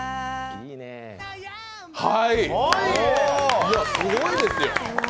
いや、すごいですよ。